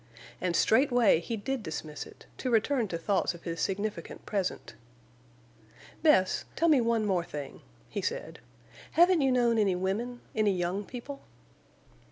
And straightway he did dismiss it, to return to thoughts of his significant present. "Bess, tell me one more thing," he said. "Haven't you known any women—any young people?"